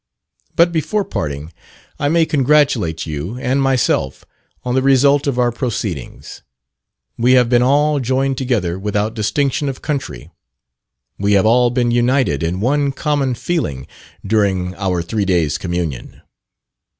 But before parting I may congratulate you and myself on the result of our proceedings. We have been all joined together without distinction of country; we have all been united in one common feeling during our three days' communion.